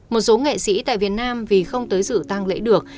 một số nghệ sĩ tại việt nam vì không tới dự tăng lễ được